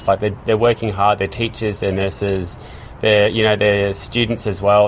mereka bekerja dengan keras mereka adalah guru mereka adalah pesakit mereka juga adalah pelajar